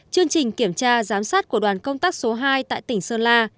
chương trình kiểm tra giám sát của đoàn công tác số hai tại tỉnh sơn la